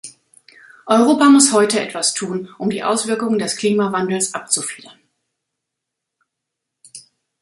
Europa muss heute etwas tun, um die Auswirkungen des Klimawandels abzufedern.